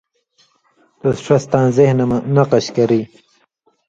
تُس ݜس تاں ذِہنہ مہ نقش کری،